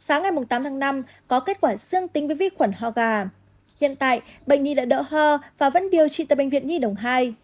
sáng ngày tám tháng năm có kết quả dương tính với vi khuẩn ho gà hiện tại bệnh nhi đã đỡ ho và vẫn điều trị tại bệnh viện nhi đồng hai